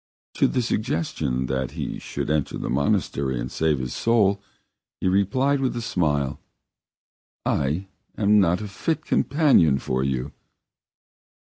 To the suggestion that he should enter the monastery and save his soul, he replied with a smile: "I am not a fit companion for you!"